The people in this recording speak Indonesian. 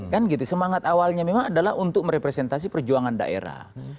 kan gitu semangat awalnya memang adalah untuk merepresentasi perjuangan daerah